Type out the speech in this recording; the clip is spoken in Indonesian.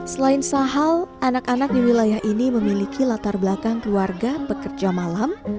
selain sahal anak anak di wilayah ini memiliki latar belakang keluarga bekerja malam